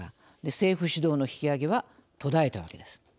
政府主導の引き上げは途絶えたわけです。